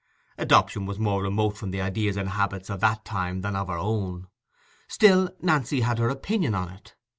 Adoption was more remote from the ideas and habits of that time than of our own; still Nancy had her opinion on it.